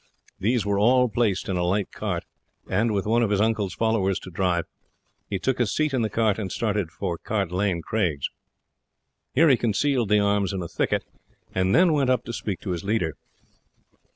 These were all placed in a light cart, and with one of his uncle's followers to drive, he took his seat in the cart, and started for Cart Lane Craigs. Here he concealed the arms in a thicket, and then went up to speak to his leader.